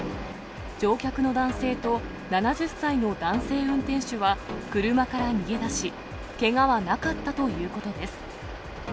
乗客の男性と７０歳の男性運転手は、車から逃げ出し、けがはなかったということです。